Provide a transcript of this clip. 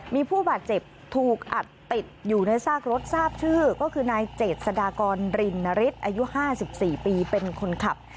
มีผู้บาดเจ็บถูกอัดติดอยู่ในซากรถทราบชื่อก็คือนายเจษฎากรรินนฤทธิ์อายุ๕๔ปีเป็นคนขับ